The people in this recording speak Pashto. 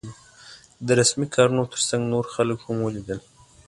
د رسمي کارونو تر څنګ نور خلک هم ولیدل.